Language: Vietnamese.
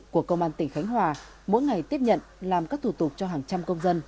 của công an tỉnh khánh hòa mỗi ngày tiếp nhận làm các thủ tục cho hàng trăm công dân